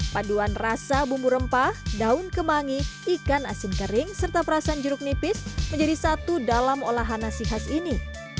paduan rasa bumbu rempah daun kemangi ikan asin kering serta perasan jeruk nipis menjadi satu dalam olahan nasi khas ini